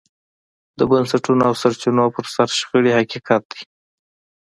د بنسټونو او سرچینو پر سر شخړې حقیقت دی.